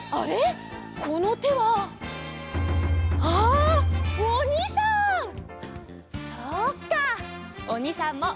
あおにさん！